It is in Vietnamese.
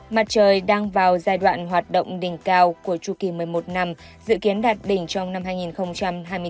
mặt trời đang vào giai đoạn hoạt động đỉnh cao của chu kỳ một mươi một năm dự kiến đạt đỉnh trong năm hai nghìn hai mươi bốn